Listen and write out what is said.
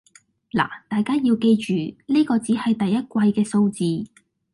那大家要記住，呢個只係第一季嘅數字